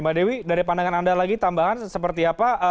mbak dewi dari pandangan anda lagi tambahan seperti apa